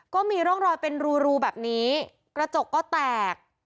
ก็มีร่องรอยเป็นรูแบบนี้กระจกก็แตก